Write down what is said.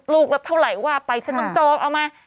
ลูกละเท่าไหร่ว่าไปฉันต้องจองเอามา